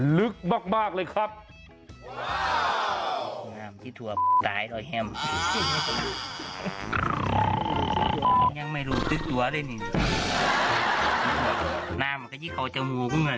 ลึกมากเลยครับ